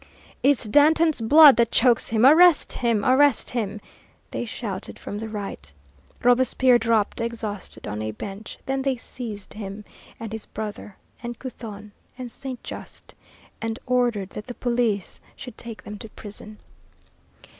"It's Danton's blood that chokes him; arrest him, arrest him!" they shouted from the Right. Robespierre dropped exhausted on a bench, then they seized him, and his brother, and Couthon, and Saint Just, and ordered that the police should take them to prison.